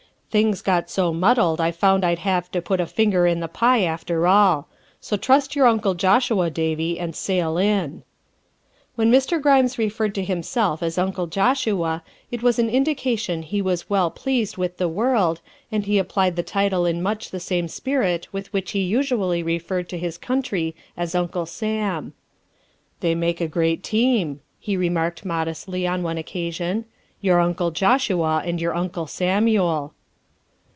Things got so muddled I found I'd have to put a finger in the pie after all. So trust your Uncle Joshua, Davy, and sail in." When Mr. Grimes referred to himself as Uncle Joshua it was an indication he was well pleased with the world, and he applied the title in much the same spirit with which he usually referred to his country as Uncle Sam. " They make a great team," he remarked modestly on one occasion, " your Uncle Joshua and your Uncle Samuel."